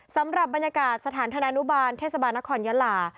สำหรับบรรยากาศสถานธนานุบาลเทศบาลนครยาลา